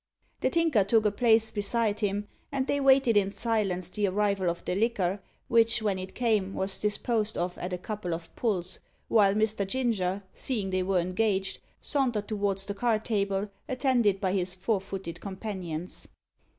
The Tinker took a place beside him, and they waited in silence the arrival of the liquor, which, when it came, was disposed of at a couple of pulls; while Mr. Ginger, seeing they were engaged, sauntered towards the card table, attended by his four footed companions.